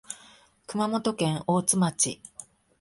熊本県大津町